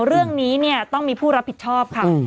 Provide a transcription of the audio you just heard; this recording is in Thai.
เรื่องนี้เนี่ยต้องมีผู้รับผิดชอบค่ะ